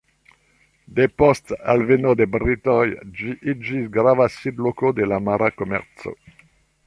Depost alveno de britoj ĝi iĝis grava sidloko de la mara komerco.